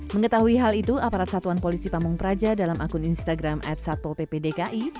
mengetahui hal itu aparat satuan polisi pamung praja dalam akun instagram at satpol pp dki